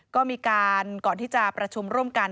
ก็มีการก่อนที่จะประชุมร่วมกัน